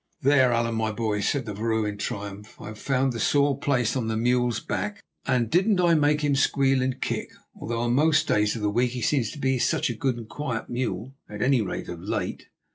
"There, Allan, my boy," said the vrouw in triumph, "I have found the sore place on the mule's back, and didn't I make him squeal and kick, although on most days of the week he seems to be such a good and quiet mule—at any rate, of late."